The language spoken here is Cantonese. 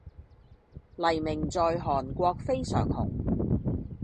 黎明在韓國非常紅